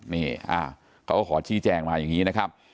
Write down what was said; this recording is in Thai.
นี่เขาก็ขอชี้แจงมาอย่างนี้นะครับ